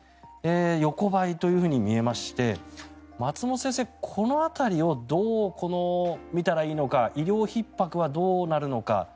横ばいと見えまして松本先生、この辺りをどう見たらいいのか医療ひっ迫はどうなるのか。